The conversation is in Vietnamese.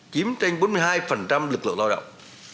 chiếm tranh bốn mươi hai lực lượng lao động